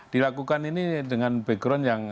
dilakukan ini dengan background yang